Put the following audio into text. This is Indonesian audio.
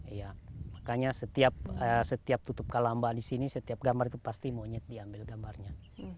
iya makanya setiap tutup kalamba di sini setiap gambar itu pasti monyet diambil gambarnya